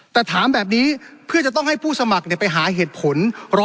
แต่ถามแบบนี้เพื่อจะต้องให้ผู้สมัครไปหาเหตุผล